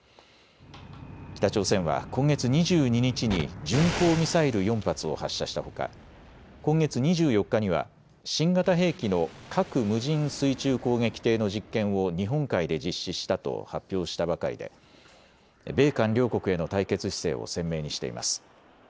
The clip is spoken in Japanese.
北朝鮮は今月２２日に巡航ミサイル４発を発射したほか今月２４日には新型兵器の核無人水中攻撃艇の実験を日本海で実施したと発表したばかりで米韓両国への対決姿勢を鮮明にしています。